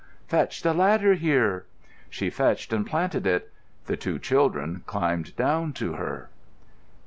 "Fetch the ladder here." She fetched and planted it. The two children climbed down to her.